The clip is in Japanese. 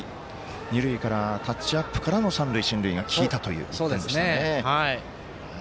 二塁から、タッチアップからの三塁進塁が効いたという。